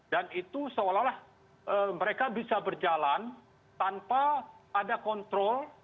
dan itu seolah olah mereka bisa berjalan tanpa ada kontrol